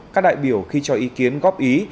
các đại biểu khi cho ý kiến góp ý